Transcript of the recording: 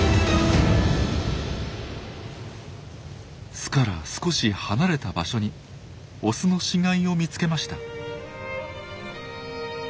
巣から少し離れた場所にオスの死骸を見つけました。